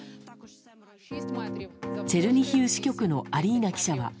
チェルニヒウ支局のアリーナ記者は。